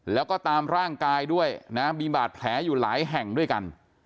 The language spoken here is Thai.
แล้วก็ตามร่างกายด้วยนะมีบาดแผลอยู่หลายแห่งด้วยกัน